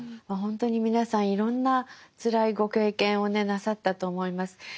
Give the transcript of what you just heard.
まあ本当に皆さんいろんなつらいご経験をねなさったと思います。